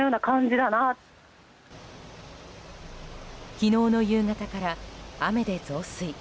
昨日の夕方から雨で増水。